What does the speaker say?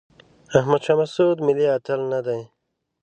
احمد شاه مسعود ملي اتل نه دی.